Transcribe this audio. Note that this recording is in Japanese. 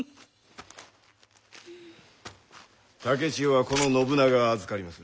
竹千代はこの信長が預かりまする。